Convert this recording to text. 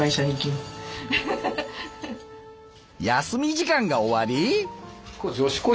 休み時間が終わり。